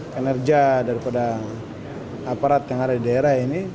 kinerja daripada aparat yang ada di daerah ini